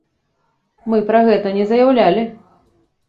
Мы пра гэта не заяўлялі.